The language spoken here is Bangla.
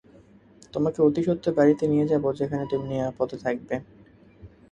তোমাকে অতিসত্বর বাড়িতে নিয়ে যাব যেখানে তুমি নিরাপদে থাকবে!